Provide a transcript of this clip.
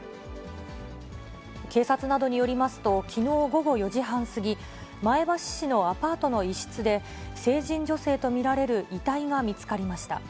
警察などによりますと、きのう午後４時半過ぎ、前橋市のアパートの一室で、成人女性とみられる遺体が見つかりました。